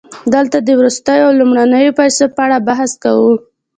دلته د وروستیو او لومړنیو پیسو په اړه بحث کوو